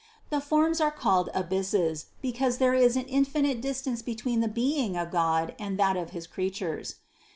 The forms are called abysses, because there is an infinite distance be tween the being of God and that of creatures.